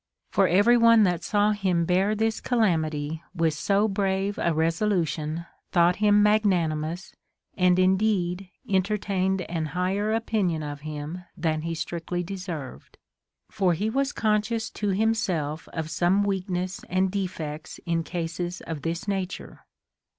For every one that saw him bear this calamity with so brave a resolution thought him magnanimous, and indeed entertained an higher opin ion of him than he strictly deserved ; for he was conscious to himself of some Aveakness and defects in cases of this nature."